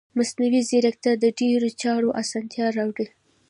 مصنوعي ځیرکتیا د ډیرو چارو اسانتیا راوړي.